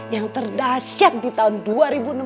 yang terdasar di tahun dua ribu enam belas ini